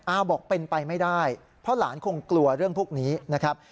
บอกเป็นไปไม่ได้เพราะหลานคงกลัวเรื่องพวกนี้นะครับ